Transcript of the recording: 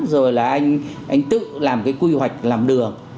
rồi là anh tự làm cái quy hoạch làm đường